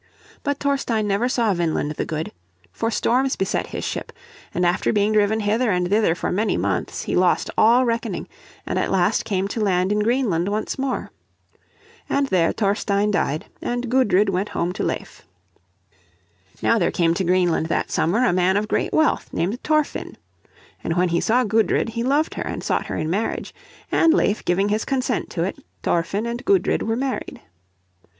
But Thorstein never saw Vineland the Good. For storms beset his ship, and after being driven hither and thither for many months, he lost all reckoning, and at last came to land in Greenland once more. And there Thorstein died, and Gudrid went home to Leif. Now there came to Greenland that summer a man of great wealth named Thorfinn. And when he saw Gudrid he loved her and sought her in marriage, and Leif giving his consent to it, Thorfinn and Gudrid were married.